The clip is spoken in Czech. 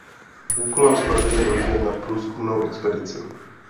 Úkolem Sparty je dohlížet na průzkumnou expedici.